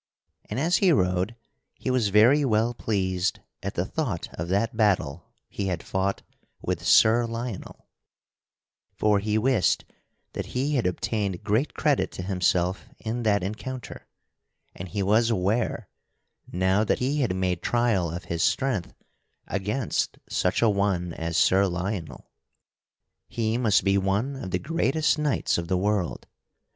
And as he rode he was very well pleased at the thought of that battle he had fought with Sir Lionel, for he wist that he had obtained great credit to himself in that encounter, and he was aware, now that he had made trial of his strength against such a one as Sir Lionel, he must be one of the greatest knights of the world.